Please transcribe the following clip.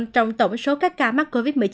trong tổng số các ca mắc covid một mươi chín